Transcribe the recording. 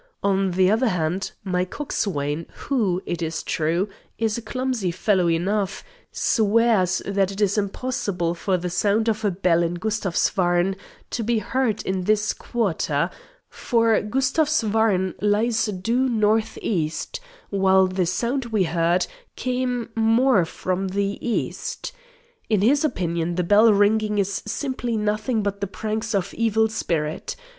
On the other hand, my coxswain, who, it is true, is a clumsy fellow enough, swears that it is impossible for the sound of a bell in Gustavsvarn to be heard in this quarter, for Gustavsvarn lies due north east, while the sound we heard came more from the east. In his opinion the bell ringing is simply nothing but the pranks of evil spirits.